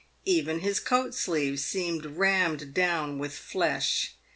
Even his coat sleeves seemed rammed down with flesh.